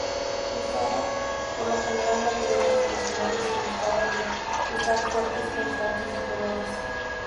Usaba por lo general materiales tradicionales y gustaba de usar fuertes contrastes de colores.